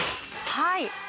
はい。